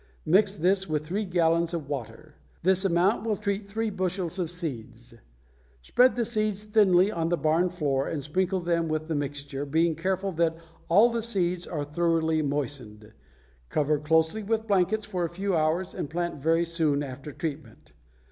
Mix this with three gallons of water. This amount will treat three bushels of seeds. Spread the seeds thinly on the barn floor and sprinkle them with the mixture, being careful that all the seeds are thoroughly moistened. Cover closely with blankets for a few hours and plant very soon after treatment.